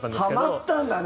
はまったんだね。